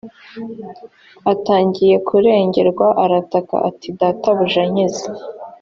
atangiye kurengerwa arataka ati databuja nkiza